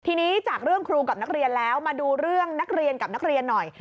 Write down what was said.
ทีนี้จากเรื่องครูกับนักเรียนแล้วมาดูเรื่องนักเรียนกับนักเรียนหน่อย